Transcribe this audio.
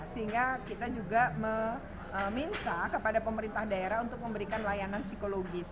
sehingga kita juga meminta kepada pemerintah daerah untuk memberikan layanan psikologis